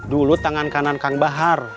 dulu tangan kanan kang bahar